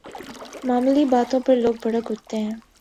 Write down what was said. معمولی باتوں پر لوگ بھڑک اٹھتے ہیں۔